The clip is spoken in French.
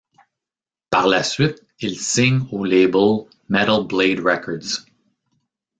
Par la suite, ils signent au label Metal Blade Records.